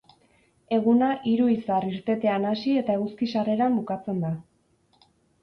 Eguna hiru izar irtetean hasi eta eguzki-sarreran bukatzen da.